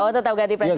oh tetap ganti presiden